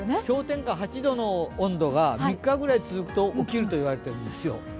氷点下８度の温度が３日ぐらい続くと起きるといわれているんですよ。